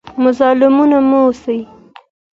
مظلوم مه اوسئ.